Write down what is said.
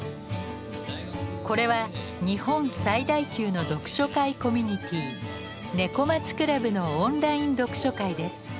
これは日本最大級の読書会コミュニティー「猫町倶楽部」のオンライン読書会です。